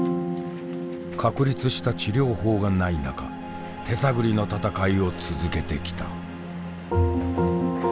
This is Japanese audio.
確立した治療法がない中手探りの闘いを続けてきた。